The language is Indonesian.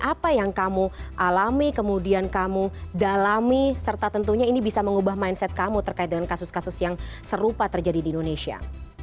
apa yang kamu alami kemudian kamu dalami serta tentunya ini bisa mengubah mindset kamu terkait dengan kasus kasus yang serupa terjadi di indonesia